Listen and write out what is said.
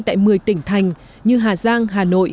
tại một mươi tỉnh thành như hà giang hà nội